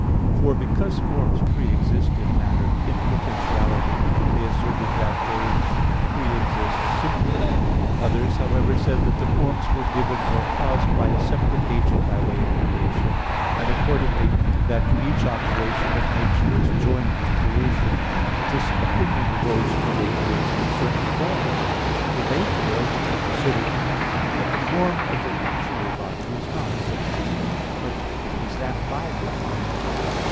For because forms pre exist in matter, "in potentiality," they asserted that they pre exist "simply." Others, however, said that the forms were given or caused by a separate agent by way of creation; and accordingly, that to each operation of nature is joined creation. But this opinion arose from ignorance concerning form. For they failed to consider that the form of the natural body is not subsisting, but is that by which a thing is.